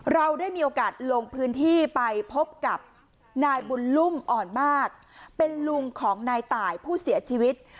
เราได้มีโอกาสลงพื้นที่ไปพบกับนายบุญลุ่มอ่อนมากเป็นลุงของนายตายผู้เสียชีวิต